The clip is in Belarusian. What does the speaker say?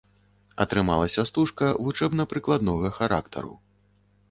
Атрымалася стужка вучэбна-прыкладнога характару.